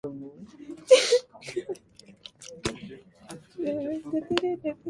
青森県新郷村